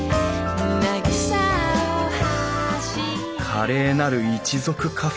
「華麗なる一族カフェ。